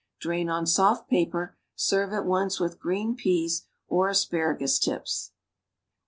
Drain on soft paper. Ser\e at once with green peas or as|)aragus lips.